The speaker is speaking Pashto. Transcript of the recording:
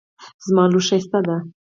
زما لور ښایسته ده